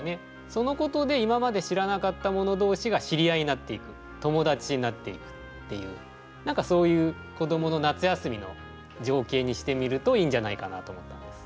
そのことでいままで知らなかった者同士が知り合いになっていく友達になっていくっていう何かそういう子どもの夏休みの情景にしてみるといいんじゃないかなと思ったんです。